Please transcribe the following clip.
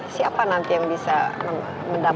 siapa nanti yang bisa mendapatkan